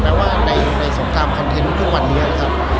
แม้ว่าในสงครามคอนเทนต์ทุกวันนี้นะครับ